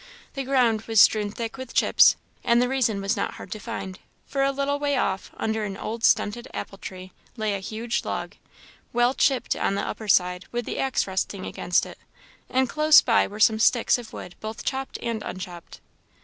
The ground was strewn thick with chips; and the reason was not hard to find, for a little way off, under an old stunted apple tree, lay a huge log, well chipped on the upper surface, with the axe resting against it; and close by were some sticks of wood both chopped and unchopped.